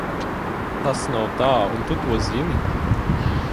Tas nav tā, un tu to zini!